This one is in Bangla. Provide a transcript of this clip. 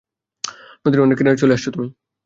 নদীর অনেক কিনারায় চলে আসছো তুমি।